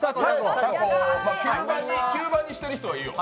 吸盤にしてる人はええよ。